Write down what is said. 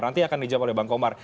nanti akan dijawab oleh bangkomar